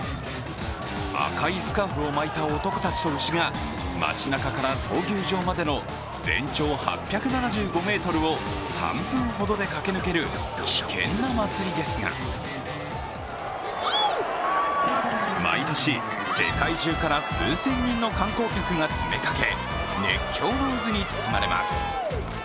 赤いスカーフを巻いた男たちと牛が街なかから闘牛場までの全長８７５ｍを３分ほどで駆け抜ける危険な祭りですが毎年、世界中から数千人の観光客が詰めかけ、熱狂の渦に包まれます。